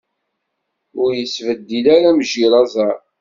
Ur yettbeddil ara mejjir aẓar.